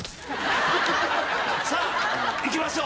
さあいきましょう！